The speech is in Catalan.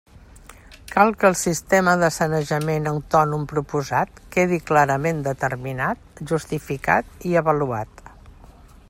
Cal que el sistema de sanejament autònom proposat quedi clarament determinat, justificat i avaluat.